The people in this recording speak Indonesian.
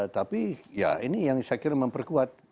tapi ya ini yang saya kira memperkuat